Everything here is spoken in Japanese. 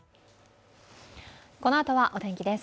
このあとはお天気です。